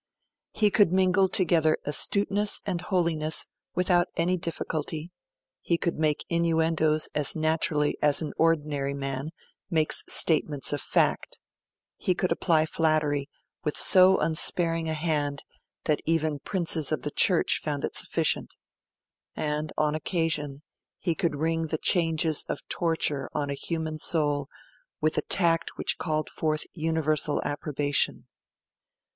He could mingle together astuteness and holiness without any difficulty; he could make innuendoes as naturally as an ordinary man makes statements of fact; he could apply flattery with so unsparing a hand that even Princes of the Church found it sufficient; and, on occasion, he could ring the changes of torture on a human soul with a tact which called forth universal approbation.